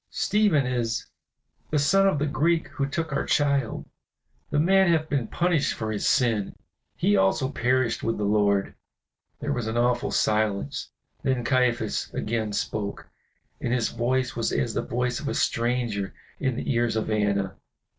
"Stephen is the son of the Greek who took our child. The man hath been punished for his sin. He also perished with the Lord." There was an awful silence. Then Caiaphas again spoke, and his voice was as the voice of a stranger in the ears of Anna.